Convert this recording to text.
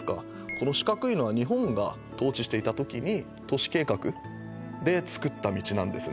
この四角いのは日本が統治していた時に都市計画でつくった道なんですね